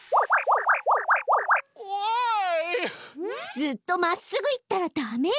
ずっとまっすぐ行ったらダメよ！